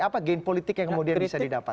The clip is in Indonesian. apa gain politik yang kemudian bisa didapat